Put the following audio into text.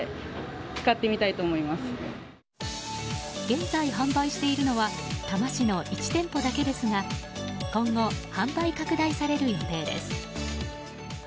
現在販売しているのは多摩市の１店舗だけですが今後、販売拡大される予定です。